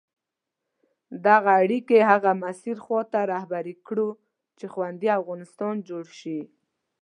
دغه اړیکي هغه مسیر خواته رهبري کړو چې خوندي افغانستان جوړ شي.